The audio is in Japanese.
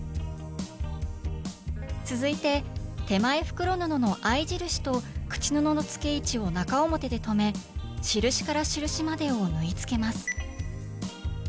続いて手前袋布の合い印と口布の付け位置を中表で留め印から印までを縫いつけます